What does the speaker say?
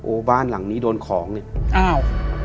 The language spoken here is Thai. บ้านหลังนี้โดนของเนี่ยอ้าว